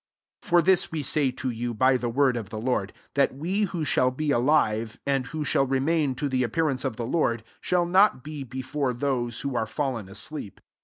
15 For this we say to you, by the word of the Lord, that we who 9^aU be alive, and who Bhall remain to the appearance of the Lord, shall not be before those who are fallen asleep.